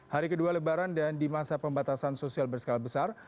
hari kedua lebaran dan di masa pembatasan sosial berskala besar